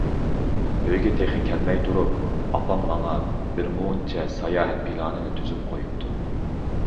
ئۆيگە تېخى كەلمەي تۇرۇپ، ئاپام ماڭا بىر مۇنچە ساياھەت پىلانىنى تۈزۈپ قويۇپتۇ.